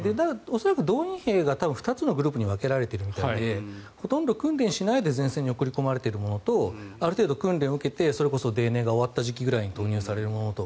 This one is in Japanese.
恐らく動員兵が多分２つのグループに分けられているみたいでほとんど訓練しないで前線に送り込まれているものとある程度訓練を受けて泥濘が終わった時期に投入されるものと。